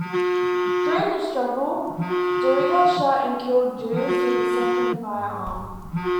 During the struggle Drega shot and killed Joos with a second firearm.